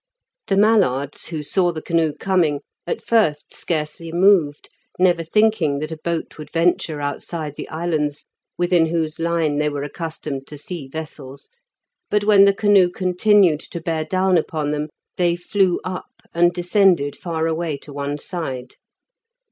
The mallards, who saw the canoe coming, at first scarcely moved, never thinking that a boat would venture outside the islands, within whose line they were accustomed to see vessels, but when the canoe continued to bear down upon them, they flew up and descended far away to one side.